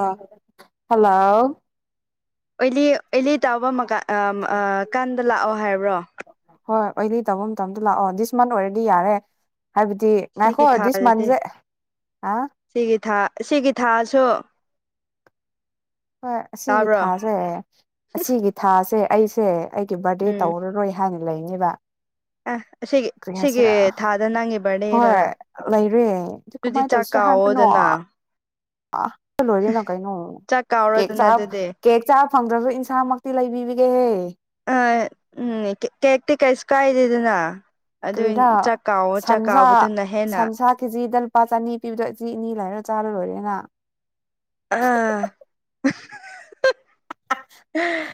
ꯑ ꯍꯜꯂꯣ ꯑꯣꯏꯂꯤ ꯑꯣꯏꯂꯤ ꯇꯥꯕ ꯃꯀꯥꯟ ꯀꯥꯟꯗ ꯂꯥꯛꯑꯣ ꯍꯥꯏꯕ꯭ꯔꯣ ꯍꯣꯏ ꯑꯣꯏꯂꯤ ꯇꯧꯕ ꯃꯇꯝꯗ ꯂꯥꯛꯑꯣ ꯗꯤꯁ ꯃꯟꯠ ꯑꯣꯏꯔꯗꯤ ꯌꯥꯔꯦ ꯍꯥꯏꯕꯗꯤ ꯉꯥꯏꯈꯣ ꯁꯤꯒꯤ ꯊꯥꯗꯗꯤ ꯗꯤꯁꯃꯟꯁꯦ ꯁꯤꯒꯤ ꯊꯥ ꯁꯤꯒꯤ ꯊꯥꯁꯨ ꯍꯣꯏ ꯑꯁꯤꯒꯤ ꯇꯥꯕ꯭ꯔꯣ ꯊꯥꯁꯦ ꯑꯁꯤꯒꯤ ꯊꯥꯁꯦ ꯑꯩꯁꯦ ꯕꯥꯔꯗꯦ ꯎꯝ ꯇꯧꯔꯔꯣꯏ ꯍꯥꯏꯅ ꯂꯩꯅꯦꯕ ꯑ ꯑꯁꯤꯒꯤ ꯀꯔꯤ ꯑꯁꯤꯒꯤꯒꯤ ꯍꯥꯏꯁꯤꯔꯥ ꯊꯥꯗ ꯅꯪꯒꯤ ꯍꯣꯏ ꯕꯥꯔꯗꯦꯂꯔ ꯂꯩꯔꯦ ꯑꯗꯨ ꯑꯗꯨꯗꯤ ꯀꯃꯥꯏꯅ ꯆꯥꯛ ꯀꯧꯑꯣ ꯗꯅ ꯑꯍꯜꯑꯣꯏꯔꯦꯅ ꯀꯩꯅꯣ ꯆꯥꯛ ꯀꯦꯛ ꯆꯥ ꯀꯥꯎꯔꯗꯅ ꯑꯗꯨꯗꯤ ꯀꯦꯛ ꯆꯥꯕ ꯐꯪꯗ꯭ꯔꯁꯨ ꯏꯟꯁꯥꯃꯛꯇꯤ ꯂꯩꯕꯤꯒꯦ ꯍꯦ ꯑ ꯎꯝ ꯀꯦꯛꯇꯤ ꯀꯩꯁꯨ ꯀꯥꯏꯗꯦꯗꯅ ꯑꯗꯨ ꯀꯔꯤꯔꯥ ꯆꯥꯛꯀꯧ ꯁꯟꯁꯥ ꯁꯟꯁꯥ ꯀꯦꯖꯤꯗ ꯂꯨꯄꯥ ꯆꯅꯤ ꯄꯤꯕꯗꯣ ꯖꯤ ꯑꯅꯤ ꯂꯩꯔ ꯆꯥꯔ ꯂꯣꯏꯔꯦ [unintelligible]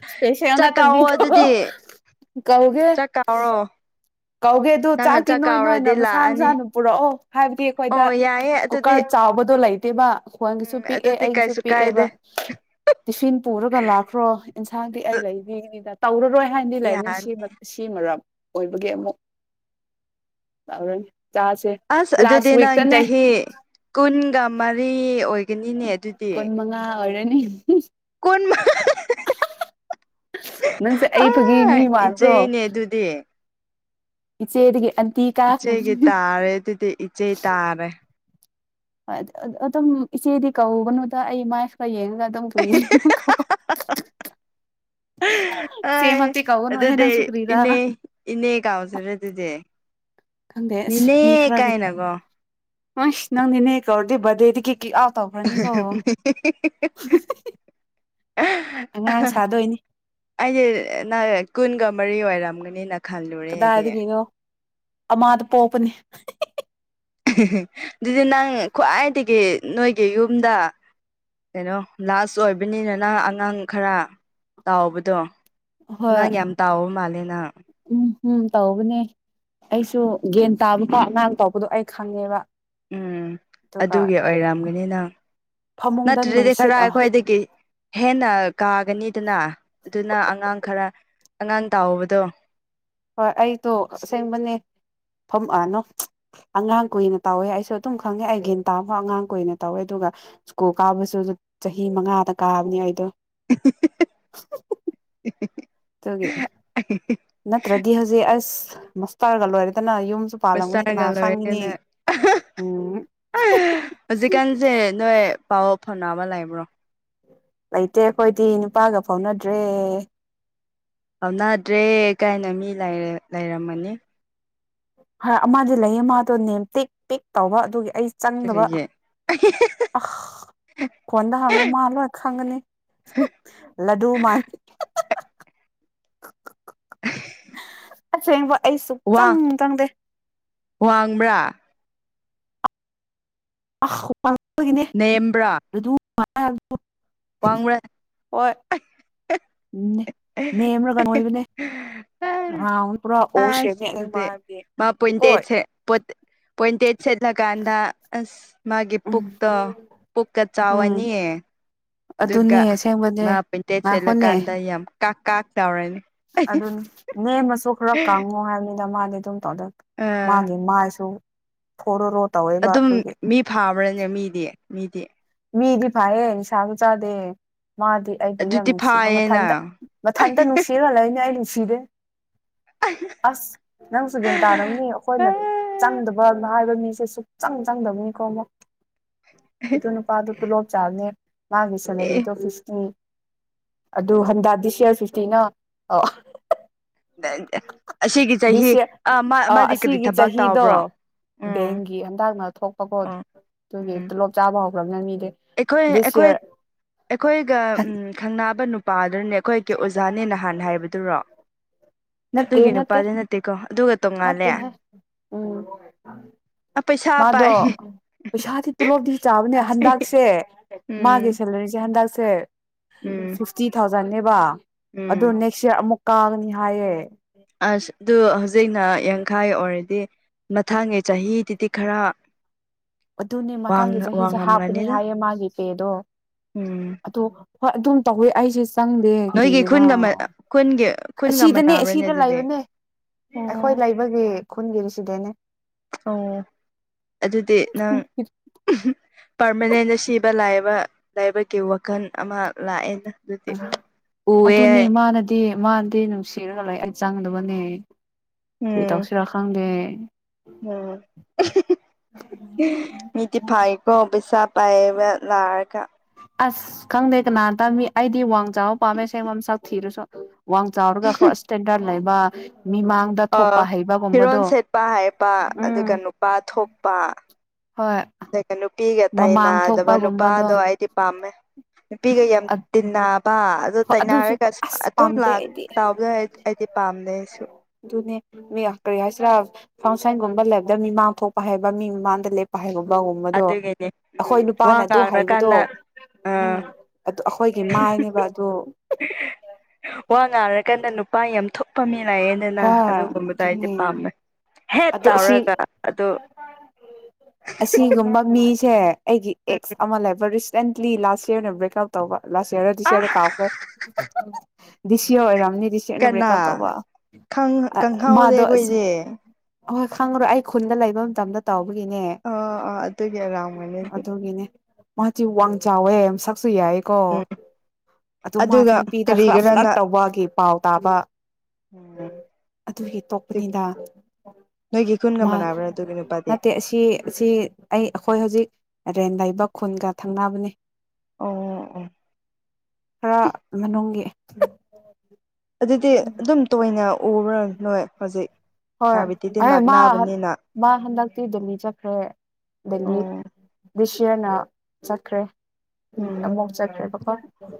ꯏꯁꯄꯦꯁꯦꯜ ꯆꯥꯛꯀꯥꯎꯑꯣ ꯅꯠꯇꯕꯤꯗꯣ ꯑꯗꯨꯗꯤ ꯀꯧꯒꯦ ꯆꯥꯛ ꯀꯥꯎꯔꯣ ꯀꯧꯒꯦ ꯑꯗꯨ ꯅꯪꯅ ꯆꯥꯛꯇꯤ ꯆꯥꯛ ꯅꯣꯏ ꯅꯣꯏꯅ ꯀꯥꯎꯔꯗꯤ ꯃꯁꯥ ꯂꯥꯛꯑꯅꯤ ꯃꯁꯥꯅ ꯄꯨꯔꯛꯑꯣ ꯍꯥꯏꯕꯗꯤ ꯑꯩꯈꯣꯏꯗ ꯑꯣ ꯌꯥꯏꯌꯦ ꯑꯗꯨꯗꯤ ꯀꯨꯀꯔ ꯆꯥꯎꯕꯗꯣ ꯂꯩꯇꯦꯕ ꯈꯣꯟꯒꯤꯁꯨ ꯎꯝ ꯄꯤꯛꯑꯦ ꯑꯗꯨꯗꯤ ꯑꯩꯒꯤꯁꯨ ꯀꯩꯁꯨ ꯄꯤꯛꯑꯦꯕ ꯀꯥꯏꯗꯦ ꯇꯤꯐꯤꯟ ꯄꯨꯔꯒ ꯂꯥꯛꯈ꯭ꯔꯣ ꯏꯟꯁꯥꯡꯗꯤ ꯑꯩ ꯂꯩꯕꯤꯅꯤꯗ ꯇꯧꯔꯔꯣꯏ ꯍꯥꯏꯗꯤ ꯂꯥꯏꯔꯤꯛ ꯅ ꯌꯥꯅꯤ ꯁꯤ ꯁꯤ ꯃꯔꯝ ꯑꯣꯏꯕ ꯑꯗꯨꯒꯤ ꯑꯃꯨꯛ ꯂꯔꯅꯤ ꯑꯁ ꯑꯗꯨꯗꯗꯦꯅ ꯏ ꯇꯍꯦ ꯀꯨꯟꯒ ꯃꯔꯤ ꯑꯣꯏꯒꯅꯤꯅꯦ ꯑꯗꯨꯗꯤ ꯍꯔꯅꯤ [inaudible] ꯅꯪꯁꯦ ꯑ ꯑꯏꯕꯒꯤ ꯃꯤ ꯃꯔꯕ꯭ꯔꯣ ꯏꯆꯦꯅꯦ ꯑꯗꯨꯗꯤ ꯆ ꯆꯩ ꯏꯆꯦꯒꯤ ꯇꯥꯔꯦ ꯑꯗꯨꯗꯤ ꯏꯆꯦ ꯇꯥꯔꯦ ꯑꯗꯨꯝ ꯏꯆꯦꯗꯤ ꯀꯧꯅꯨꯗ ꯑꯩ ꯃꯥꯏꯁꯨ ꯈ ꯌꯦꯡꯉ ꯑꯗꯨꯝ ꯀꯏꯣ ꯑ ꯑꯗꯨꯗꯤ ꯏꯅꯦ ꯏꯅꯦ ꯀꯥꯎꯖꯔꯦ ꯑꯗꯨꯗꯤ ꯃꯤꯅꯦ ꯀꯥꯏ ꯅꯀꯣ ꯑ ꯅꯪ ꯅꯅꯦ ꯀꯋꯥꯔꯗꯤꯦꯕꯗꯦꯛ ꯑꯥꯎ ꯇꯧꯕ꯭ꯔꯅꯤ ꯀꯣꯣ ꯑꯩꯁꯦ ꯅ ꯀꯨꯟꯒ ꯃꯔꯤ ꯑꯣꯏꯔꯝꯒꯅꯤ ꯅ ꯈꯜꯂꯨꯔꯦꯗꯤ ꯑꯥꯗ ꯄꯣꯄꯅꯤ ꯑꯗꯨꯗꯤ ꯅꯪ ꯈ꯭ꯋꯥꯏꯗꯒꯤ ꯅꯣꯏꯒꯤ ꯌꯨꯝꯗ ꯀꯩꯅꯣ ꯂꯥꯁ ꯑꯣꯏꯕꯅꯤꯅꯅ ꯑꯉꯥꯡ ꯈꯔ ꯇꯥꯎꯕꯗꯣ ꯍꯣꯏ ꯅꯪ ꯌꯥꯝ ꯇꯥꯎꯕ ꯃꯥꯂꯦꯅ ꯎꯝ ꯎꯝ ꯇꯧꯕꯅꯦ ꯑꯩꯁꯨ ꯒ꯭ꯟ ꯇꯥꯕ ꯄꯣ ꯑꯉꯥꯡ ꯇꯥꯎꯄꯗꯣ ꯑꯩ ꯈꯪꯉꯦꯕ ꯎꯝ ꯑꯗꯨꯒ ꯑꯗꯨꯒꯤ ꯑꯣꯏꯔꯝꯒꯅꯤ ꯅꯪ ꯐꯃꯨꯡꯗ ꯅꯠꯇ꯭ꯔꯗꯤ ꯅꯨꯡꯁꯤꯠ ꯈꯔ ꯑ ꯈ꯭ꯋꯥꯏꯗꯒꯤ ꯍꯦꯟꯅ ꯀꯥꯒꯅꯤꯗꯅ ꯑꯗꯨꯅ ꯑꯉꯥꯡ ꯈꯔ ꯑꯉꯥꯡ ꯇꯥꯎꯕꯗꯣ ꯍꯣꯏ ꯑꯩꯗꯣ ꯑꯁꯦꯡꯕꯅꯦ ꯐꯝ ꯑꯅꯣ ꯑꯉꯥꯡ ꯀꯨꯏꯅ ꯇꯧꯋꯦ ꯑꯩꯁꯨ ꯑꯗꯨꯝ ꯈꯪꯉꯦ ꯑꯩꯒꯤꯟ ꯇꯥꯐꯥꯎ ꯑꯉꯥꯡ ꯀꯨꯏꯅ ꯇꯧꯋꯦ ꯑꯗꯨꯝ ꯑꯗꯨꯒ ꯁꯨꯀꯣꯜ ꯀꯥꯕꯁꯨ ꯑꯗꯨ ꯆꯍꯤ ꯃꯉꯥꯗ ꯀꯥꯕꯅꯦ ꯑꯩꯗꯣ [inaudible] ꯅꯠꯇ꯭ꯔꯗꯤ ꯍꯧꯖꯤꯛ ꯑꯁ ꯃꯁꯇꯥꯥꯔꯒ ꯂꯣꯏꯔꯦꯗꯅ ꯁꯥꯔꯒꯗ ꯑꯣꯏꯅ ꯎꯝ ꯍꯧꯖꯤꯛꯀꯥꯟꯁꯦ ꯅꯣꯏ ꯄꯥꯎ ꯐꯣꯅꯑ ꯑꯃ ꯂꯩꯕ꯭ꯔꯣ ꯂꯩꯇꯦ ꯑꯩꯈꯣꯏꯗꯤ ꯅꯨꯄꯥꯒ ꯐꯥꯎꯅꯗ꯭ꯔꯦ ꯍꯧꯥꯎꯅꯗ꯭ꯔꯦ ꯀꯥꯏꯅ ꯃꯤ ꯂꯩꯔꯝꯃꯅꯤ ꯍꯣꯏ ꯑꯃꯗꯤ ꯂꯩꯌꯦ ꯃꯥꯗꯣ ꯅꯦꯝ ꯇꯦꯛ ꯄꯦꯛ ꯇꯧꯕ ꯑꯗꯨꯒꯤ ꯑꯩ ꯆꯪꯗꯕ ꯀꯔꯤꯒꯤ ꯑ ꯐꯣꯟꯗ ꯍꯪꯉꯨ ꯃꯥ ꯂꯣꯏ ꯈꯪꯒꯅꯤ ꯂꯗꯨ ꯃꯥ [inaudible] ꯑꯁꯦꯡꯕ ꯑꯩꯁꯨ ꯋꯥ ꯆꯪ ꯆꯪꯗꯦ ꯋꯥꯡꯕ꯭ꯔꯥ ꯑꯁꯄꯄꯒꯤꯅꯦ ꯑꯗꯨ ꯋꯥꯉꯂ ꯍꯣꯏ ꯎꯝ ꯅꯦꯝꯔꯒꯟ ꯑꯣꯏꯕꯅꯦ ꯍ ꯄꯨꯔꯥ ꯑꯁ ꯑꯣꯁꯕꯅꯦ ꯅꯪ ꯑꯗꯨꯗꯤ ꯃꯥꯕꯒꯤ ꯃꯥ ꯄꯣꯏꯟꯇꯦꯁꯦꯣꯏꯟꯇꯦ ꯁꯦꯠꯂꯀꯥꯟꯗ ꯑꯁ ꯃꯥꯒꯤ ꯎꯝ ꯄꯨꯛꯇꯣ ꯄꯨꯛꯀ ꯎꯝ ꯆꯥꯎꯔꯅꯤꯌꯦ ꯑꯗꯨꯅꯦ ꯗꯨꯔꯒꯥ ꯑꯁꯦꯡꯕꯅꯦ ꯃꯥꯄꯤꯟꯇꯦꯁꯦꯂ ꯀꯥꯟꯗꯌꯥꯝ ꯀ ꯀꯥ ꯑꯗꯨ ꯅꯦꯝꯃꯁꯨ ꯈꯔ ꯀꯥꯡꯉꯨ ꯍꯥꯏꯕꯅꯤꯅ ꯃꯥꯗꯤ ꯑꯗꯨꯝ ꯇꯗꯛ ꯑꯥ ꯃꯥꯒꯤ ꯃꯥꯏꯁꯨ ꯐꯣꯔꯣꯔꯣꯠ ꯑꯗꯨꯝ ꯃꯤ ꯐꯥꯕ꯭ꯔꯥꯅꯦ ꯃꯤꯗꯤ ꯃꯤꯗꯤ ꯃꯤꯗꯤ ꯐꯌꯦ ꯍꯥꯏ ꯁꯥꯕꯨ ꯆꯗꯦ ꯃꯥꯗꯤ ꯑꯩꯕꯨ ꯌꯥꯝ ꯑꯗꯨꯗꯤ ꯅꯨꯡꯁꯤꯕ ꯐꯥꯏꯌꯦꯅ ꯃꯊꯟꯇ ꯃꯊꯟꯇ ꯅꯨꯡꯁꯤꯔ ꯂꯩꯣꯏꯅꯦ ꯑꯩ ꯅꯨꯡꯁꯤꯔꯦ ꯑꯁ ꯅꯪ ꯁꯨꯒꯦꯟ ꯇꯥꯗꯧꯅꯤ ꯑꯩꯈꯣꯏꯅ ꯆꯪꯗꯕ ꯃꯤꯁꯦ ꯁꯨꯡꯛꯆꯪ ꯆꯪꯗꯕꯅꯤꯀꯣ ꯑꯃꯨꯛ [unintelligible] ꯅꯨꯄꯥꯗꯨ ꯑꯗꯨ ꯇꯣꯂꯣꯞ ꯆꯥꯕꯅꯦ ꯃꯥꯒꯤ ꯁꯦꯂꯔꯤꯗꯣ ꯑꯦ ꯐꯤꯐꯇꯤ ꯑꯗꯨ ꯍꯟꯗꯗꯤ ꯁꯤꯌꯥꯔ ꯐꯤꯐꯇꯤꯅ ꯑ ꯑꯁꯤꯒꯤ ꯆꯍꯤ ꯗꯤꯁ ꯌꯔ ꯑ ꯃꯥꯗꯤ ꯀꯔꯤ ꯑꯁꯤꯒꯤ ꯊꯕꯛ ꯆꯍꯤꯗꯣ ꯇꯥꯎꯕ꯭ꯔꯣ ꯕꯦꯡꯒꯤ ꯍꯟꯇꯥꯛꯅ ꯊꯣꯛꯄꯀꯣ ꯑꯗꯨꯒꯤ ꯎꯝ ꯇꯣꯂꯣꯞ ꯆꯥꯕ ꯍꯧ ꯑꯩꯈꯣꯏ ꯑꯩꯈꯣꯏ ꯑꯩꯈꯣꯏꯒ ꯎ ꯈꯪꯅꯕ ꯅꯨꯄꯥꯗꯨꯅꯅꯦ ꯑꯩꯈꯣꯏ ꯑꯣꯖꯥꯅꯦ ꯅꯍꯥꯟꯅ ꯍꯥꯏꯕꯗꯨꯔꯣ ꯑꯗꯨꯒꯤ ꯅꯨꯄꯥꯗ ꯅꯠꯇꯦꯀꯣ ꯑꯗꯨꯒ ꯃꯠꯇꯦ ꯇꯣꯡꯉꯥꯜꯂꯦ ꯎꯝ ꯑ ꯄꯩꯁꯥ ꯃꯥꯗꯣ ꯄꯥꯏ ꯄꯩꯁꯥꯗꯤ ꯇꯣꯂꯣꯞꯗꯤ ꯆꯥꯎꯥꯕ ꯍꯟꯗꯛꯁꯦ ꯃꯥꯒꯤ ꯎꯝ ꯁꯦꯂꯔꯤꯁꯦ ꯍꯟꯗꯛꯁꯦ ꯎꯝ ꯁꯤꯛꯁꯇꯤ ꯊꯥꯎꯖꯟꯅꯦꯕ ꯎꯝ ꯑꯣ ꯅꯦꯛꯁ ꯏꯌꯥꯔ ꯑꯃꯨꯛ ꯀꯥꯒꯅꯤ ꯍꯥꯏꯌꯦ ꯑꯁ ꯑꯗꯨ ꯍꯧꯖꯤꯛꯅ ꯌꯥꯡꯈꯥꯏ ꯑꯣꯏꯔꯗꯤ ꯃꯊꯪꯉ ꯆꯍꯤꯗꯨꯗꯤ ꯈꯔ ꯑꯗꯨꯅꯦ ꯃꯊꯪꯒꯤ ꯋꯥꯡꯅ ꯆꯍꯤꯁꯦ ꯍꯥꯞꯄꯅꯤ ꯋꯥꯡꯉꯝꯒꯅꯤꯗ ꯍꯥꯏꯌꯦ ꯃꯥꯒꯤ ꯄꯦꯗꯣ ꯎꯝ ꯑꯗꯣ ꯍꯣꯏ ꯑꯗꯨꯝ ꯇꯧꯋꯦ ꯑꯩꯁꯦ ꯆꯪꯗꯦ ꯅꯣꯏꯒꯤ ꯀꯔꯤꯒꯤꯔꯥ ꯈꯨꯟꯒ ꯃ ꯈꯨꯟꯒꯤ ꯈꯨꯟꯒ ꯑꯁꯤꯗꯅꯦ ꯃꯅꯥꯕ꯭ꯔꯅꯦ ꯑꯁꯤꯗ ꯑꯗꯨꯗꯤ ꯂꯩꯕꯅꯦ ꯑꯩꯈꯣꯏ ꯑꯣ ꯂꯩꯕꯒꯤ ꯈꯨꯟꯒꯤ ꯔꯤꯁꯤꯗꯅꯦ ꯑꯣ ꯑꯗꯨꯗꯤ ꯅꯪ ꯄꯥꯔꯃꯅꯦꯟꯗ ꯁꯤꯕ ꯂꯥꯏꯕ ꯂꯥꯏꯕꯒꯤ ꯋꯥꯈꯜ ꯑꯃ ꯂꯥꯛꯑꯦꯅ ꯑꯗꯨꯗꯤ ꯑꯗꯨꯅꯦ ꯎꯑꯦ ꯃꯥꯅꯗꯤ ꯃꯥꯗꯤ ꯅꯨꯡꯁꯤꯔꯒ ꯂꯩ ꯑꯩ ꯆꯪꯗꯕꯅꯦ ꯀꯔꯤ ꯎꯝ ꯇꯧꯁꯤꯔꯥ ꯈꯪꯗꯦ ꯎꯝ ꯏꯗꯤ ꯐꯥꯏꯀꯣ ꯄꯩꯁꯥ ꯄꯥꯏꯕ ꯂꯥꯔꯀ ꯑꯁ ꯈꯪꯗꯦ ꯀꯅꯥꯅꯇ ꯃꯤ ꯑꯩꯗꯤ ꯋꯥꯡ ꯆꯥꯕ ꯄꯥꯝꯃꯦ ꯁꯦꯡꯕꯣꯝ ꯁꯛ ꯊꯤꯔꯨꯁꯨ ꯋꯥꯡ ꯆꯥꯎꯔꯒ ꯀ꯭ꯔꯣꯁ ꯏꯁꯇꯦꯟꯗꯔꯠ ꯂꯩꯕ ꯃꯤꯃꯥꯡꯗ ꯊꯣꯛꯄ ꯑꯥ ꯐꯤꯔꯣꯜ ꯍꯩꯕꯒꯨꯝꯕꯗꯣ ꯁꯦꯠꯄ ꯍꯥꯏꯕ ꯎꯝ ꯑꯗꯨꯒ ꯅꯨꯄꯥ ꯊꯣꯛꯄ ꯍꯣꯏ ꯑꯗꯨꯒ ꯅꯨꯄꯤꯒ ꯃꯃꯥꯡ ꯇꯥꯏꯅꯗꯕ ꯊꯣꯛꯄꯒꯨꯝꯕꯗꯣ ꯅꯨꯄꯥꯗꯣ ꯑꯩꯗꯤ ꯄꯥꯝꯃꯦ ꯅꯨꯄꯤꯒ ꯌꯥꯝ ꯇꯤꯟꯅ ꯑꯗꯨ ꯑꯗꯨꯁꯨ ꯇꯩꯅꯅꯔꯒ ꯑꯁ ꯑꯗꯨꯝ ꯄꯥꯝꯗꯦ ꯑꯩꯗꯤ ꯇꯥꯎꯕꯗ ꯑꯩꯗꯤ ꯄꯥꯝꯗꯩ ꯑꯩꯁꯨ ꯑꯗꯨꯅꯦ ꯃꯤ ꯀꯔꯤ ꯍꯥꯏꯁꯤꯔꯥ ꯐꯪꯁꯟꯒꯨꯝꯕ ꯂꯩꯕꯗ ꯃꯤ ꯃꯥꯡ ꯊꯣꯛꯄ ꯍꯥꯏꯕ ꯃꯤ ꯃꯃꯥꯡꯗ ꯂꯦꯞꯄ ꯍꯥꯏꯕꯨꯝ ꯒꯨꯝꯕꯗꯣ ꯑꯗꯨꯒꯤꯅꯦ ꯎꯝ ꯑꯩꯈꯣꯏ ꯋꯥ ꯅꯨꯄꯥꯅ ꯑꯗꯨ ꯍꯥꯏꯕꯗꯣ ꯉꯥꯡꯔꯀꯥꯟꯗ ꯎꯝ ꯑꯥ ꯑꯩꯈꯣꯏꯒꯤ ꯃꯥ ꯇꯥꯏꯅꯦꯕ ꯑꯗꯨꯣ ꯋꯥ ꯉꯥꯔꯀꯥꯟꯗ ꯅꯨꯄꯥ ꯑꯃ ꯊꯣꯛꯄ ꯃꯤꯅꯥꯛꯑꯦꯗꯅ ꯑꯗꯨꯒꯨꯝꯕꯗꯣ ꯑꯩꯗꯤ ꯄꯥꯝꯃꯦ ꯍꯦꯠ ꯑꯣ ꯑꯁꯤ ꯇꯧꯔꯒ ꯑꯗꯨ ꯑꯁꯤꯒꯨꯝꯕ ꯃꯤ ꯁꯦ ꯑꯩꯒꯤ ꯑꯦꯛꯁ ꯑꯃ ꯂꯩꯕ ꯔꯤꯁꯦꯟꯠꯂꯤ ꯂꯥꯁ ꯌꯔ ꯑꯣꯏꯅ ꯕ꯭ꯔꯦꯛ ꯑꯥꯎꯠ ꯇꯧꯕ ꯂꯥꯁꯔ ꯑꯥ ꯇꯗꯤꯁꯤꯔꯦ ꯀꯥꯎꯈꯦ ꯗꯤꯁꯤ ꯑꯣ ꯔꯝꯅꯤ ꯁꯔꯅ ꯀꯅꯥ ꯕ꯭ꯔꯦꯛꯑꯞ ꯇꯧꯕ ꯈꯪ ꯈꯪꯍꯧꯗꯦ ꯃꯥꯗꯣ ꯑꯁ ꯑꯩꯈꯣꯏꯗꯤ ꯑꯍꯣꯏ ꯈꯪꯉ꯭ꯔꯣ ꯑꯩ ꯈꯨꯟꯗ ꯂꯩꯕ ꯃꯇꯝꯗ ꯇꯧꯕꯒꯤꯅꯦ ꯑꯥ ꯑꯥ ꯑꯗꯨꯒꯤ ꯑꯣꯏꯔꯝꯒꯅꯤ ꯑꯗꯨꯒꯤꯅꯦ ꯃꯥꯁꯤ ꯋꯥꯡ ꯆꯥꯎꯋꯦ ꯁꯛꯁꯨ ꯌꯥꯏꯀꯣ ꯎꯝ ꯑꯗꯨ ꯃꯥꯁꯦ ꯑꯗꯨꯒ ꯅꯨꯄꯤꯗ ꯈꯔ ꯐ꯭ꯂꯠ ꯀꯔꯤꯒꯤꯔꯅ ꯇꯧꯕꯒꯤ ꯄꯥꯎ ꯇꯥꯕ ꯎꯝ ꯑꯗꯨꯒꯤ ꯇꯣꯛꯄꯅꯤꯗ ꯅꯣꯏꯒꯤ ꯈꯨꯣꯟꯒ ꯃꯥ ꯃꯅꯥꯕ꯭ꯔ ꯇ ꯅꯠꯇꯦ ꯑꯁꯤ ꯑꯁꯤ ꯑꯩ ꯑꯩꯈꯣꯏ ꯍꯧꯖꯤꯛ ꯔꯦꯟ ꯂꯩꯕ ꯈꯨꯟꯒ ꯊꯪꯅꯕꯅꯤ ꯑꯣ ꯑꯣ ꯈꯔ ꯃꯅꯨꯡꯒꯤ ꯑꯗꯨꯗꯤ ꯑꯗꯨꯝ ꯇꯣꯏꯅ ꯎꯕ꯭ꯔ ꯅꯣꯏ ꯍꯧꯖꯤꯛ ꯍꯣꯏ ꯍꯥꯏꯕꯗꯤꯗꯤ ꯑꯦ ꯃꯥ ꯅꯛꯅꯕꯅꯤꯅ ꯃꯥ ꯍꯗ ꯃꯤ ꯆꯠꯈ꯭ꯔꯦ ꯑꯗꯒꯤ ꯑꯣ ꯁꯤꯌꯥꯔꯅ ꯆꯠꯈ꯭ꯔꯦ ꯎꯝ ꯑꯃꯨꯛ ꯆꯠꯈ꯭ꯔꯦꯕꯀꯣ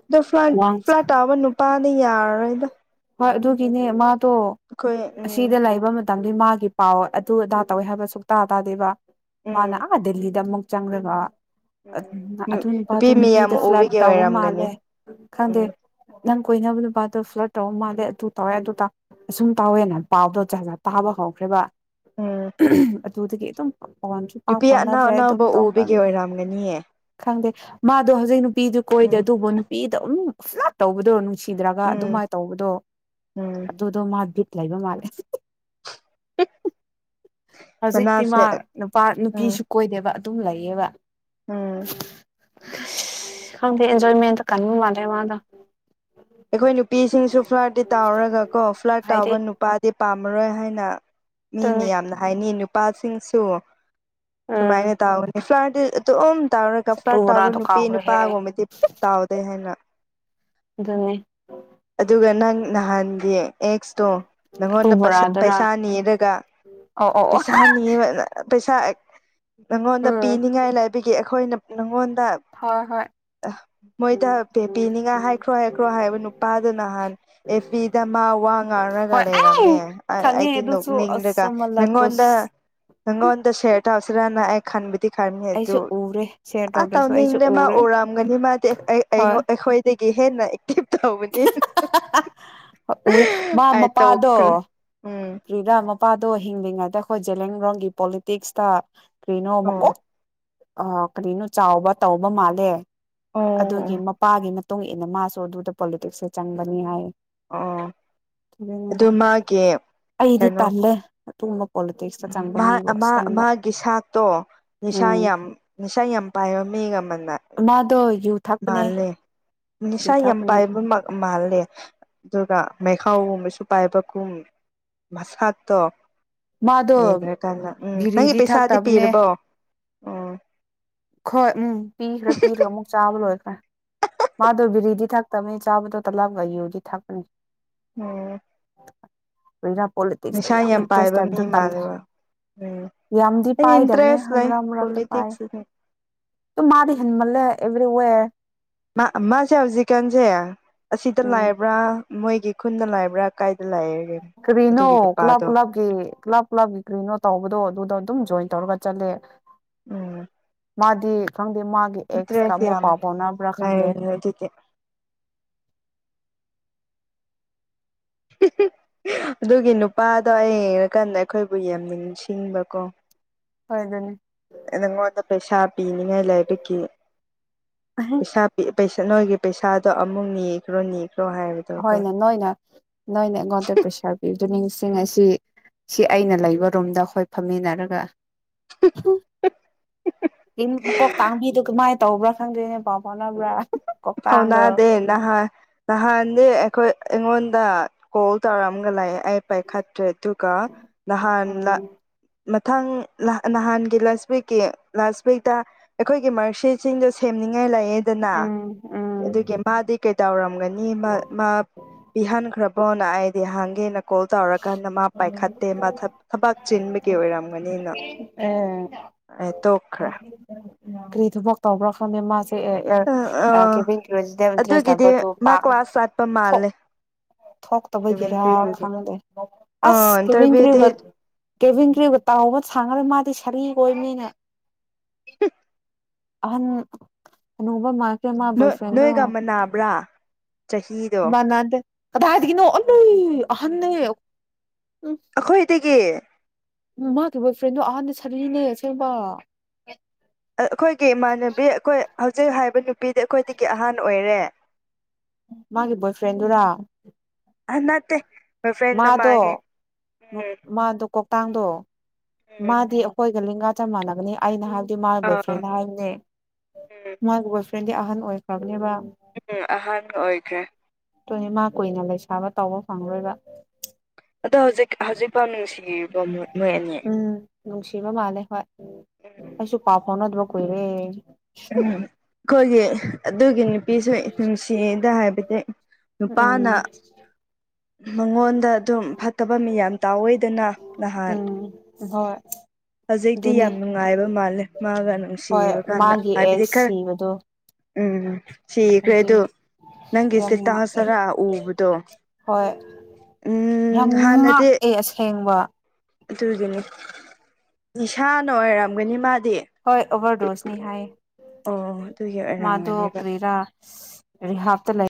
ꯑꯗꯨ ꯐ꯭ꯂ ꯋꯥꯡ ꯐ꯭ꯂꯇꯥ ꯃꯅꯨ ꯄꯥꯅꯤ ꯌꯥꯔ ꯍꯔꯣꯏꯗ ꯍꯣꯏ ꯑꯗꯨꯒꯤꯅꯦ ꯃꯥꯗꯣ ꯎꯝ ꯑꯁꯤꯗ ꯂꯩꯕ ꯃꯇꯝ ꯃꯇꯝ ꯃꯥꯒꯤ ꯄꯥꯎ ꯑꯗꯨ ꯑꯗꯥ ꯇꯧꯋꯦ ꯍꯥꯏꯕ ꯁꯨꯛꯇ ꯇꯥꯗꯦꯕ ꯃꯥꯅ ꯎꯝ ꯑꯥ ꯗꯦꯜꯂꯤꯗ ꯑꯃꯨꯛ ꯆꯪꯂꯒ ꯎꯝ ꯑꯗꯨ ꯅꯨꯄꯤ ꯅꯨꯄꯥꯗꯣ ꯃꯤꯌꯥꯝ ꯅꯨꯄꯤꯗ ꯐ꯭ꯂꯥꯠ ꯎꯕꯒꯤ ꯇꯥꯎꯕ ꯑꯣꯏꯔꯝꯒꯅꯤ ꯃꯥꯜꯂꯦ ꯈꯪꯗꯦ ꯎꯝ ꯅꯪ ꯀꯣꯏꯅꯕ ꯅꯨꯄꯥ ꯑꯗꯨ ꯐ꯭ꯂꯠ ꯇꯧ ꯃꯥꯜꯂꯦ ꯑꯗꯨ ꯇꯧꯋꯦ ꯑꯗꯨ ꯑꯁꯨꯝ ꯇꯧꯋꯦꯅ ꯄꯥꯎꯗꯣ ꯆꯥꯖ ꯇꯥꯕ ꯍꯧꯈ꯭ꯔꯦꯕ ꯎꯝ ꯑꯗꯨꯆꯗ ꯀꯩꯇ ꯐꯣꯟꯁꯨ ꯄꯥꯛ ꯅꯨꯄꯤ ꯑꯅꯧ ꯐꯥꯎꯅꯗ꯭ꯔꯦ ꯑꯗꯨꯝ ꯑꯅꯧꯕ ꯎꯕꯒꯤ ꯇꯧꯈꯅꯤ ꯑꯣꯏꯔꯝꯒꯅꯤꯌꯦ ꯈꯪꯗꯦ ꯃꯥꯗꯣ ꯍꯧꯖꯤꯛ ꯅꯨꯄꯤꯗꯨ ꯀꯣꯏꯗꯦ ꯎꯝ ꯑꯗꯨꯕꯨ ꯅꯨꯄꯤꯗꯣ ꯑꯃꯨ ꯐꯅ ꯇꯧꯕꯗꯣ ꯅꯨꯡꯁꯤꯗ꯭ꯔꯥ ꯎꯝ ꯑꯗꯨꯃꯥꯏꯅ ꯇꯧꯕꯗꯣ ꯎꯝ ꯑꯗꯨꯗꯣ ꯃꯥ ꯕꯤꯠ ꯂꯩꯕ ꯃꯥꯜꯂꯦ ꯍꯧꯖꯤꯛ ꯃꯥ ꯃꯅꯥꯁꯦ ꯅꯨꯄꯥ ꯎꯝ ꯅꯨꯄꯤꯁꯨ ꯀꯣꯏꯗꯦꯕ ꯑꯗꯨꯝ ꯂꯩꯌꯦꯕ ꯎꯝ ꯀꯗꯤ ꯏꯟꯖꯣꯏꯃꯦꯟ ꯀ ꯃꯥꯗꯦ ꯋꯥꯗ ꯑꯩꯈꯣꯏ ꯅꯨꯄꯤꯁꯤꯡꯁꯨ ꯐ꯭ꯂꯥꯤ ꯇꯥꯎꯔꯒ ꯀꯣ ꯐ꯭ꯂꯥꯠ ꯍꯥꯏꯗꯤ ꯇꯥꯎꯕ ꯅꯨꯄꯥꯗꯤ ꯄꯥꯝꯃꯔꯣꯏ ꯍꯥꯏꯅ ꯃꯤ ꯃ ꯑꯗꯨꯅꯦ ꯌꯥꯝꯅ ꯍꯥꯏꯅꯤ ꯅꯨꯄꯥꯁꯤꯡꯁꯨ ꯎꯝ ꯁꯨꯃꯥꯏꯅ ꯇꯧꯒꯅꯤ ꯑꯗꯨꯝ ꯇꯥꯎꯔꯒ ꯑꯂꯨ ꯐ꯭ꯔꯥꯠ ꯇꯥꯎꯕ ꯕꯣꯔꯥꯗꯣ ꯅꯨꯄꯤ ꯀꯥꯎꯈ꯭ꯔꯦꯍꯦ ꯑꯩ ꯅꯨꯄꯥꯒꯨꯝꯕꯗꯤ ꯇꯥꯎꯗꯦ ꯍꯥꯏꯅ [inaudible] ꯑꯗꯨꯒ ꯅꯪ ꯅꯍꯥꯟꯒꯤ ꯑꯦꯛꯁꯇꯣ ꯑꯂꯨ ꯅꯪꯉꯣꯟꯗ ꯕꯣꯔꯥꯗꯨꯔꯥ ꯄꯩꯁꯥ ꯅꯤꯔꯒ ꯑꯣ ꯑꯣ ꯑꯣ ꯄꯩꯁꯥ ꯅꯤ ꯄꯩꯁꯥ ꯅꯉꯣꯟꯗ ꯎꯝ ꯄꯤꯅꯤꯡꯉꯥꯏ ꯂꯩꯥꯏꯕꯒꯤ ꯑꯩꯈꯣꯏꯅ ꯅꯪꯉꯣꯟꯗ ꯍꯣꯏ ꯍꯣꯏ ꯃꯣꯏꯗ ꯄꯤꯅꯤꯉꯥꯏ ꯍꯥꯏꯈ꯭ꯔꯣ ꯀ꯭ꯔꯣ ꯍꯥꯏꯕ ꯅꯨꯄꯥꯗꯨ ꯅꯍꯥꯟ ꯑꯦꯐꯤꯗ ꯃꯥ ꯋꯥ ꯉꯥꯡꯔꯒ ꯍꯣꯏ ꯑꯩ ꯂꯩꯔꯝꯃꯦ ꯈꯪꯉꯦ ꯑꯩꯗꯤ ꯑꯗꯨꯁꯨ ꯑꯁ ꯃꯂꯥꯀꯨꯁ ꯒꯉꯣꯟꯗꯉꯣꯟꯗ ꯁꯌꯔ ꯇꯧꯁꯤꯔꯅ ꯑꯩ ꯈꯟꯕ ꯈꯥꯔꯅꯤ ꯑꯗꯨ ꯑꯩꯁꯨ ꯎꯔꯦ ꯁꯦꯌꯔ ꯑ ꯇꯧꯗ꯭ꯔꯁꯨ ꯑꯩꯁꯨ ꯇꯧꯅꯤꯡꯗ ꯃꯥ ꯎꯔꯦ ꯎꯔꯑꯝꯒꯅꯤ ꯃꯥ ꯍꯣꯏ ꯑꯩꯈꯣꯏ ꯀꯍꯦꯅ ꯎꯔꯦ ꯃꯥ ꯑꯩ ꯃꯄꯥꯗꯣ ꯇꯣꯛꯈ꯭ꯔꯦ ꯎꯝ ꯄꯔꯤꯔꯥ ꯃꯄꯥꯗꯣ ꯍꯤꯡꯂꯤꯉꯩꯗ ꯑꯩꯈꯣꯏ ꯖꯦꯂꯔꯣꯡꯒꯤ ꯄꯣꯂꯤꯇꯤꯛꯁꯇ ꯀꯩꯅꯣ ꯑꯃꯨꯛꯀꯣ ꯑꯣ ꯑ ꯀꯔꯤꯅꯣ ꯆꯥꯎꯕ ꯇꯧꯕ ꯃꯥꯜꯂꯦ ꯑꯣ ꯑꯗꯨꯒꯤ ꯑꯣ ꯃꯄꯥꯒꯤ ꯃꯇꯨꯡ ꯏꯟꯅ ꯃꯥꯁꯨ ꯑꯗꯨꯗ ꯄꯣꯂꯤꯇꯤꯛꯁꯇ ꯆꯪꯕꯅꯤ ꯍꯥꯏ ꯑꯣ ꯑꯗꯨꯅꯤꯗ ꯑꯗꯨ ꯃꯥꯒꯤ ꯑꯩꯗꯤ ꯇꯜꯂꯦ ꯑꯗꯨ ꯃꯍꯥꯛ ꯃꯥꯒꯤ ꯁꯇꯣ ꯅꯤꯁꯥ ꯎꯝ ꯌꯥꯝ ꯅꯤꯁꯥ ꯌꯥꯝ ꯄꯥꯏꯕ ꯃꯤꯒ ꯑꯃꯅ ꯃꯥꯗꯣ ꯌꯨ ꯊꯛꯄꯅꯦ ꯃꯥꯚꯜꯅꯦ ꯌꯨ ꯅꯤꯁꯥ ꯌꯥꯝ ꯊꯛꯄꯅꯦ ꯄꯥꯏꯕ ꯃꯥꯜꯂꯦ ꯑꯗꯨꯒ ꯃꯩꯈꯥꯎꯒꯨꯝꯕꯁꯨ ꯄꯥꯏꯕꯒꯨꯝ ꯃꯁꯗꯠꯇꯣ ꯃꯥꯗꯣ ꯂꯩꯈ꯭ꯔꯀꯥꯟꯗ ꯎꯝ ꯅꯪꯒꯤ ꯕꯤꯔꯤꯗꯤ ꯄꯩꯁꯥꯗꯤ ꯊꯛꯇꯕꯅꯦ ꯄꯤꯔꯕꯣ ꯎꯝ ꯍꯣꯏ ꯎꯝ ꯄꯤꯈ꯭ꯔꯥ ꯄꯤꯈ꯭ꯔꯥ ꯑꯃꯨꯛ ꯆꯥꯕ ꯂꯣꯏꯈ꯭ꯔꯥ ꯃꯥꯗꯣ ꯕꯤꯔꯤꯗꯤ ꯊꯥꯛꯇꯕꯅꯤ ꯆꯥꯕꯗꯣ ꯇꯂꯥꯞꯒ ꯑꯌꯨꯗꯤ ꯊꯥꯛꯄꯅꯤ ꯎꯝ ꯣꯏꯅꯥ ꯄꯣꯂꯤꯇꯤꯛꯁꯇ ꯅꯤꯁꯥ ꯌꯥꯝ ꯄꯥꯏꯕ ꯏꯟꯇꯔꯦꯁꯇ ꯃꯤ ꯍꯥꯏꯕꯗ ꯇꯝꯗꯦ ꯃꯥꯜꯂꯦꯕ ꯎꯝ ꯌꯥꯝꯗꯤ ꯑꯩ ꯄꯥꯏꯗꯕꯅꯦ ꯏꯟꯇꯔꯦꯁ ꯂꯩ ꯍꯔꯥ ꯃꯨꯔꯥꯛꯇ ꯄꯥꯏ ꯄꯣꯂꯤꯇꯤꯛꯁ ꯃꯥꯔꯤ ꯍꯟꯃꯜꯂ ꯏꯕꯔ ꯑꯣꯏ ꯃꯥ ꯃꯥꯁꯦ ꯍꯧꯖꯤꯛꯀꯥꯟꯁꯦ ꯑꯁꯤꯗ ꯎꯝ ꯂꯥꯛꯕ꯭ꯔꯥ ꯃꯣꯏꯒꯤ ꯈꯨꯟꯗ ꯂꯥꯏꯕ꯭ꯔꯥ ꯀꯥꯏꯗ ꯂꯥꯛꯑ ꯀ꯭ꯔꯤꯅꯣ ꯀ꯭ꯂꯕ ꯀ꯭ꯂꯕꯀꯤ ꯀ꯭ꯂꯞ ꯀ꯭ꯂꯕꯀꯤ ꯀ꯭ꯔꯤꯅꯣ ꯇꯧꯕꯗꯣ ꯑꯗꯨꯗ ꯑꯗꯨꯝ ꯖꯣꯏ ꯇꯧꯔꯒ ꯆꯂꯦ ꯎꯝ ꯃꯥꯗꯤ ꯈꯪꯗꯦ ꯃꯥꯒꯤ ꯑꯦꯛꯁꯀ ꯏꯟꯇꯔꯦꯁ ꯑꯃꯨꯛ ꯌꯥꯝ ꯄꯥꯎ ꯐꯥꯎꯅꯕ꯭ꯔꯥ ꯂꯩ ꯈꯪꯗꯦ ꯑꯗꯨꯗꯤ [unintelligible] ꯑꯗꯨꯒꯤ ꯅꯨꯄꯥꯗꯣ ꯑꯩ ꯌꯦꯡꯉꯀꯥꯟꯗ ꯑꯩꯈꯣꯏꯕꯨ ꯌꯥꯝ ꯅꯤꯡꯁꯤꯡꯕꯀꯣ ꯐꯗꯅꯤ ꯉꯣꯗ ꯄꯦꯁꯥ ꯄꯤꯅꯤꯉ ꯂꯕꯀꯤ ꯄꯁꯥꯤ ꯩꯁ ꯅꯣꯏꯒꯤ ꯄꯩꯁꯥꯗꯣ ꯑꯃꯨꯛ ꯅꯅꯤꯈ꯭ꯔꯣꯅꯤ ꯍꯣꯏꯅꯦ ꯅꯣꯏꯅꯦ ꯅꯣꯏꯅꯦ ꯑꯩꯉꯣꯟꯗ ꯄ꯭ꯔꯦꯁꯥꯔ ꯄꯤꯕꯗꯨ ꯁꯤꯡ ꯑꯁꯤ ꯁꯤ ꯑꯩꯅ ꯂꯩꯕ ꯔꯨꯝꯗ ꯑꯩꯈꯣꯏ ꯐꯝꯃꯤꯟꯅꯔꯒ ꯀ ꯇꯥꯡꯕꯤ ꯑꯗꯨꯗꯨ ꯃꯥ ꯇꯧꯕ꯭ꯔꯥ ꯈꯪꯗꯣꯏꯅꯦ ꯄꯥꯎ ꯐꯥꯎꯅꯕ꯭ꯔꯥ ꯀꯣꯛꯇꯥꯡꯗꯣ ꯍꯥꯎꯅꯗꯦ ꯅꯍ ꯅꯍꯦ ꯑꯩꯈꯣꯏ ꯑꯩꯉꯣꯟꯗ ꯀꯣꯜ ꯇꯧꯔꯑꯝꯒ ꯂꯥꯛꯑꯦ ꯑꯩ ꯄꯥꯏꯈꯠꯇ꯭ꯔꯦ ꯑꯗꯨꯒ ꯅꯍꯥꯟ ꯎꯝ ꯃ ꯊꯪ ꯅꯍꯥꯟꯒꯤ ꯂꯥꯁ ꯋꯤꯛꯀꯤ ꯂꯥꯁ ꯋꯤꯛꯇ ꯑꯩꯈꯣꯏꯒꯤ ꯃꯔꯔꯁꯤꯠꯁꯤꯡꯗ ꯊꯦꯝꯅꯤꯡꯉꯥꯏ ꯂꯩꯑꯦꯗꯅ ꯎꯝ ꯎꯝ ꯑꯗꯨꯒꯤ ꯃꯥꯗꯤ ꯀꯩꯗꯧꯔꯝꯃ ꯃꯥ ꯄꯤꯍꯟꯈ꯭ꯔꯕꯣꯅ ꯑꯩꯗꯤ ꯍꯥꯡꯒꯦꯅ ꯀꯣꯜ ꯇꯧꯔꯀꯥꯟꯗ ꯃꯥ ꯄꯥꯏꯈꯠꯇꯦ ꯃꯥ ꯊꯕꯛ ꯆꯤꯟꯕꯒꯤ ꯑꯣꯏꯔꯝꯒꯅꯤꯅ ꯑꯦ ꯑꯩ ꯇꯣꯈ꯭ꯔ ꯎ ꯀꯔꯤ ꯊꯕꯛ ꯇꯧꯕ꯭ꯔꯥ ꯈꯪ ꯃꯥꯁꯦ ꯑꯥ ꯀꯦꯄ ꯀꯣꯁꯤꯗ ꯏꯟꯇꯔꯦꯁ ꯑꯗꯨꯒꯤꯗꯤ ꯇꯕ ꯑꯗꯨꯣ ꯃꯥ ꯄꯥꯛ ꯀ꯭ꯂꯥꯁ ꯆꯠꯄ ꯊꯣꯛ ꯃꯥꯜꯂꯦ ꯊꯣꯛꯇꯕꯒꯤꯦꯔ ꯗꯦꯕꯦꯟꯀ꯭ꯔꯤꯒꯤꯗꯤ ꯈꯪꯗꯦ ꯑꯁ ꯑꯥ ꯀꯤꯃꯤꯡ ꯏꯟꯇꯔꯚꯤꯌꯨꯗꯤ ꯀ꯭ꯕ ꯀꯦꯚꯤꯟꯒ꯭ꯔꯤꯕꯕꯨ ꯇꯥꯎꯍꯕ ꯁꯥꯡꯅꯔ ꯃꯥꯗꯤ ꯁꯔꯤꯈꯣꯏ ꯃꯤꯅ ꯑꯍꯟꯅꯣꯡꯧꯕ ꯃꯥ ꯀꯦ ꯃꯥ ꯣꯏ ꯅꯣꯏ ꯐ꯭ꯔꯦꯟꯗꯣ ꯅꯣꯏꯒ ꯃꯅꯥꯕ꯭ꯔꯥ ꯆꯍꯤꯗꯣ ꯃꯥꯟꯅꯗꯦ ꯀꯗꯥꯏꯗꯒꯤꯅꯣ ꯑꯂꯨ ꯑꯍꯟꯅ ꯑꯩꯈꯣꯏꯗꯒꯤ ꯎ ꯃꯥꯒꯤ ꯕꯣꯏ ꯐ꯭ꯔꯦꯟꯗꯣ ꯑꯍꯥꯟꯕꯗ ꯁꯔꯤꯅꯦ ꯑꯁꯦꯡꯕ ꯑꯩꯈꯣꯏꯒꯤ ꯏꯃꯥꯟꯅꯕꯤ ꯑꯩꯈꯣꯏ ꯍꯧꯖꯤꯛ ꯍꯥꯏꯕ ꯅꯨꯄꯤꯗꯤ ꯑꯩꯈꯣꯏꯗꯒꯤ ꯑꯍꯥꯟ ꯑꯣꯏꯔꯦ ꯃꯥꯒꯤ ꯕꯣꯏ ꯐ꯭ꯔꯦꯟꯗꯨꯔꯥ ꯑꯅꯠꯇꯦ ꯃꯥꯗꯣ ꯃꯥꯗꯣ ꯀꯣꯛꯇꯥꯡꯗꯣ ꯎꯝ ꯃꯥꯗꯤ ꯑꯩꯈꯣꯏ ꯂꯒꯥ ꯆꯞ ꯃꯥꯟꯅꯒꯅꯤ ꯑꯩꯅ ꯍꯥꯏꯕꯗꯤ ꯃꯥꯏ ꯕꯣꯏ ꯑꯥ ꯐ꯭ꯔꯦꯟ ꯍꯥꯏꯕꯅꯦ ꯎꯝ ꯇ꯭ꯋꯦꯟꯇꯤ ꯑꯍꯟ ꯑꯣꯏꯈ꯭ꯔꯕꯅꯦꯕ ꯎꯝ ꯑꯍꯥꯟ ꯑꯣꯏꯈ꯭ꯔꯦ ꯇꯣꯏꯅꯦ ꯃꯥ ꯀꯨꯏꯅ ꯂꯩꯁꯥꯕ ꯇꯧꯕ ꯐꯪꯔꯣꯏꯕ ꯑꯗꯣ ꯍꯧꯖꯤꯛ ꯍꯧꯖꯤꯛꯐꯥꯎ ꯅꯨꯡꯁꯤꯔꯤꯕ ꯃꯣꯏ ꯑꯅꯤ ꯎꯝ ꯅꯨꯡꯁꯤꯕ ꯃꯥꯜꯂꯦ ꯍꯣꯏ ꯑꯩꯁꯨ ꯄꯥꯎ ꯐꯥꯎꯅꯗꯕ ꯀꯨꯏꯔꯦ ꯎꯝ ꯀꯒꯦ ꯑꯗꯨꯒꯅꯤ ꯅꯨꯄꯤꯁꯨ ꯅꯨꯡꯁꯤꯗ ꯍꯥꯏꯕꯗꯤ ꯅꯨꯄꯥꯅ ꯎꯝ ꯃꯉꯣꯟꯗ ꯑꯗꯨꯝ ꯐꯠꯇꯕ ꯃꯤ ꯌꯥꯝ ꯇꯥꯑꯣꯏꯗꯅ ꯅꯍꯥꯟ ꯎꯝ ꯍꯣꯏ ꯍꯧꯖꯤꯛꯇꯤ ꯑꯗꯨꯅꯦ ꯌꯥꯝ ꯅꯨꯡꯉꯥꯏꯕ ꯃꯥꯜꯂꯦ ꯃꯥꯒ ꯍꯣꯏ ꯅꯨꯡꯁꯤꯕ ꯀꯥꯟꯗ ꯃꯥꯒꯤ ꯍꯥꯏꯕꯗꯤ ꯑꯦꯛꯁ ꯈꯔ ꯁꯤꯕꯗꯣ ꯎꯝ ꯎꯝ ꯁꯤꯈ꯭ꯔꯦ ꯍꯥꯏꯗꯤ ꯑꯗꯨꯗ ꯌꯥꯝ ꯅꯪꯒꯤꯁꯦ ꯉꯥꯛꯑꯦ ꯇꯥꯖꯔꯛ ꯎꯕꯗꯣ ꯍꯣꯏ ꯌꯥꯝ ꯎꯝ ꯍꯥꯟꯅꯗꯤ ꯉꯥꯛꯑꯦ ꯑꯁꯦꯡꯕ ꯑꯗꯨꯒꯤꯅꯤ ꯏꯁꯅꯤꯥꯅ ꯑꯣꯏꯔꯝꯒꯅꯤ ꯃꯥꯗꯤ ꯍꯣꯏ ꯑꯣꯚꯔꯗꯣꯁꯅꯤ ꯍꯥꯏ ꯑꯣ ꯑꯗꯨꯒꯤ ꯃꯥꯙ ꯑꯣꯏꯔꯝꯒꯅꯦꯕ ꯀꯔꯤꯦꯔꯥꯔꯤ ꯍꯥꯞꯇ ꯂꯩ